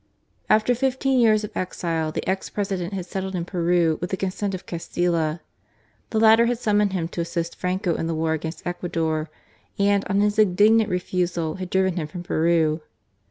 After fifteen years of exile the ex President had settled in Peru with the consent of Castilla. The latter had sum moned him to assist Franco in the war against Ecuador, and, on his indignant refusal, had driven him from Peru.